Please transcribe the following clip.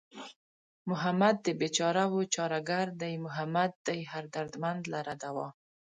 محمد د بېچارهوو چاره گر دئ محمد دئ هر دردمند لره دوا